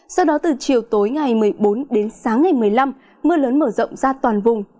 sau đó từ chiều tối ngày một mươi bốn đến sáng ngày một mươi năm mưa lớn mở rộng ra toàn vùng